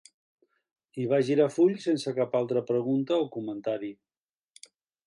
I va girar full sense cap altra pregunta o comentari.